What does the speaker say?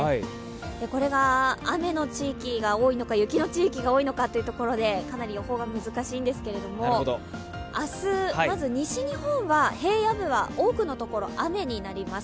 これが雨の地域が多いのか、雪の地域が多いのかでかなり予報が難しいんですけれども明日、まず西日本は平野部のところ多くは雨になります。